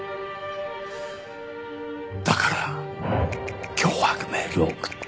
だから脅迫メールを送った。